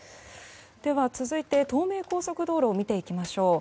では、続いて東名高速道路を見ていきましょう。